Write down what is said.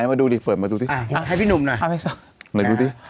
ให้พี่หนุ่มหน่อย